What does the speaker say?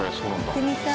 行ってみたい。